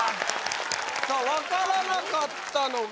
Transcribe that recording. さあ分からなかったのが？